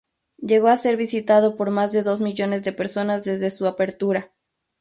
Llegó a ser visitado por más de dos millones de personas desde su apertura.